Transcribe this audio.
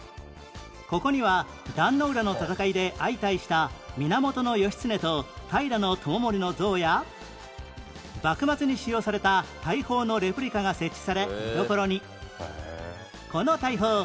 ここには壇ノ浦の戦いで相対した源義経と平知盛の像や幕末に使用された大砲のレプリカが設置され見どころに